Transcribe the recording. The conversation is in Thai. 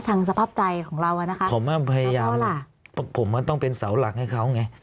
ทางสภาพใจของเราอ่ะนะคะผมก็พยายามคุณพ่อล่ะผมก็ต้องเป็นเสาหลักให้เขาไง